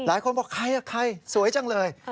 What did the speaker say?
หลายคนบอกใครใครสวยจังเลย